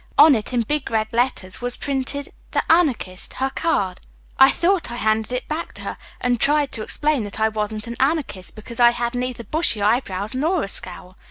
On it in big red letters was printed, 'The Anarchist, Her Card.' I thought I handed it back to her and tried to explain that I wasn't an anarchist because I had neither bushy eyebrows nor a scowl.